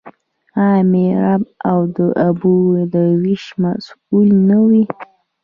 آیا میرآب د اوبو د ویش مسوول نه وي؟